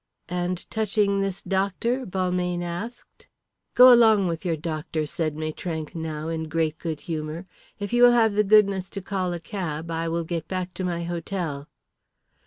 "And touching this doctor?" Balmayne asked. "Go along with your doctor," said Maitrank now, in great good humour. "If you will have the goodness to call a cab I will get back to my hotel."